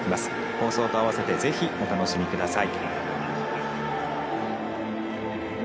放送とあわせてぜひお楽しみください。